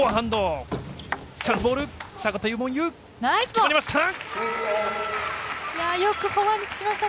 決まりました！